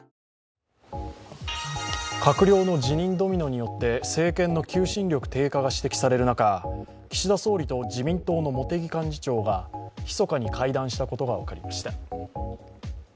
閣僚の辞任ドミノによって政権の求心力低下が指摘される中岸田総理と自民党の茂木幹事長が密かに会談したことが分かりました。